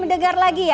belum dengar lagi ya